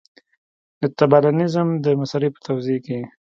د طالبانیزم د مسألې په توضیح کې.